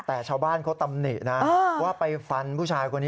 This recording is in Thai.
แต่ชาวบ้านเขาตำหนินะว่าไปฟันผู้ชายคนนี้